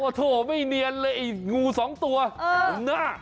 โถ่ไม่เนียนเลยไอ้งูสองตัวหลุมหน้า